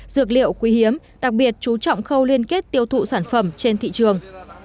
dược liệu quý hiếm đặc biệt chú trọng khâu liên kết tiêu thụ sản phẩm trên thị trường